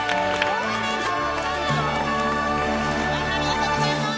おめでとうございます！